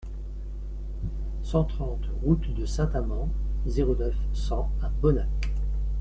cent trente route de Saint-Amans, zéro neuf, cent à Bonnac